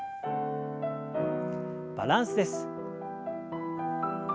バランスです。